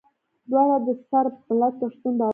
دواړه د صرب ملت پر شتون باور لري.